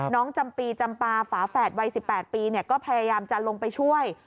จำปีจำปาฝาแฝดวัย๑๘ปีก็พยายามจะลงไปช่วย